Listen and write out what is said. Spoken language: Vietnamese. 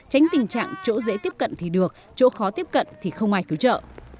tránh tình trạng chỗ dễ tiếp cận thì được chỗ khó tiếp cận thì không ai cứu trợ